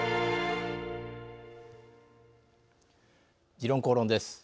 「時論公論」です。